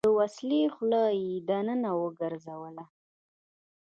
د وسلې خوله يې دننه وګرځوله.